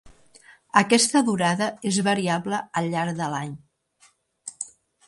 Aquesta durada és variable al llarg de l'any.